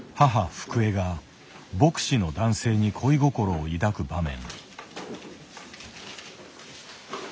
福江が牧師の男性に恋心を抱く場面。